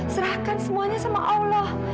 serahkan semuanya sama allah